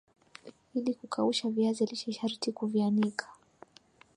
ili kukausha viazi lishe sharti kuvianika